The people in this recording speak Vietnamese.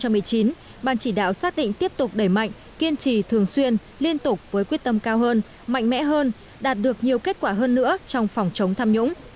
năm hai nghìn một mươi chín ban chỉ đạo xác định tiếp tục đẩy mạnh kiên trì thường xuyên liên tục với quyết tâm cao hơn mạnh mẽ hơn đạt được nhiều kết quả hơn nữa trong phòng chống tham nhũng